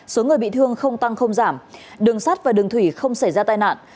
số người bị thương không tăng không giảm đường sắt và đường thủy không xảy ra tai nạn